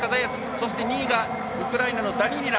そして２位がウクライナのダニーリナ。